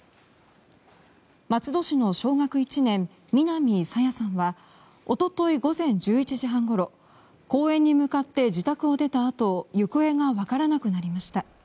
松戸市の小学１年南朝芽さんはおととい午前１１時半ごろ公園に向かって自宅を出たあと行方がわからなくなりました。